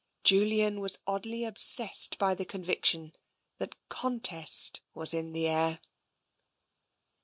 Julian was oddly obsessed by the conviction that contest was in the air.